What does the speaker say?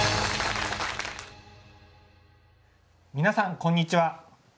皆さんこんにちは。